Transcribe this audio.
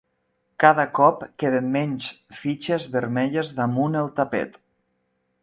Cada cop queden menys fitxes vermelles damunt el tapet.